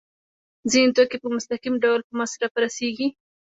ځینې توکي په مستقیم ډول په مصرف رسیږي.